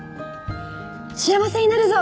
幸せになるぞ！